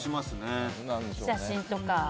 写真とか。